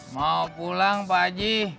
mau pulang pak haji